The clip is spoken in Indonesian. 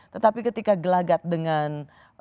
tetapi ketika gelagat dengan